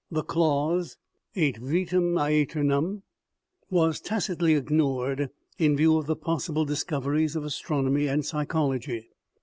The clause " et vitam seternam " was tacitly ignored, in view of the possible discoveries of astronomy and psychology.